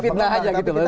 ini fitnah aja gitu loh